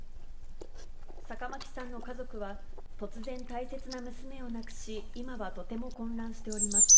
坂巻さんの家族は、突然、大切な娘を亡くし、今はとても混乱しております。